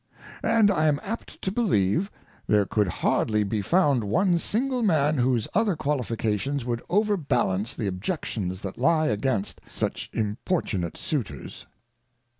And I am apt to believe, there could hardly be found one single Man whose other Qualifications would over balance the Objections that lie against such importunate Suitors, II.